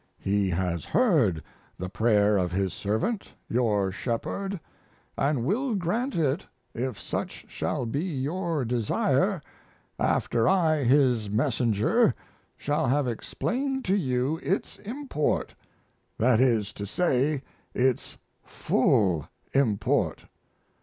He has heard the prayer of His servant, your shepherd, & will grant it if such shall be your desire after I His messenger shall have explained to you its import that is to say its full import.